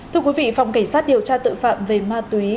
thưa quý vị phòng cảnh sát điều tra tội phạm về ma túy